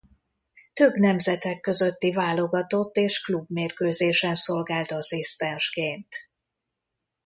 Több nemzetek közötti válogatott és klubmérkőzésen szolgált asszisztensként.